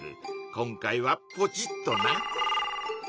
今回はポチッとな！